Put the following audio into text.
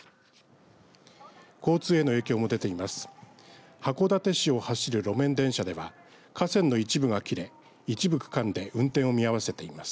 交通への影響も出ています。